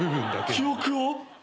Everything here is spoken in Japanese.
記憶を！？